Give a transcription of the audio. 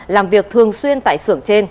làm việc thường xuyên tại sưởng trên